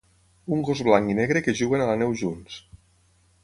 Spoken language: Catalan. un gos blanc i negre que juguen a la neu junts